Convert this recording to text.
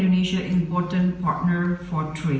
indonesia juga adalah pasangan penting untuk perdamaian